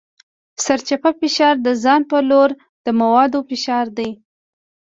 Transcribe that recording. سرچپه فشار د ځان په لور د موادو فشار دی.